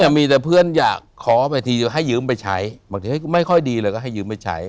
เนี่ยมีแต่พื่นอยากขอให้ยืมไปใช้เดินมาเทลิกไม่ค่อยดีเลยก็ให้ยืมไปใช้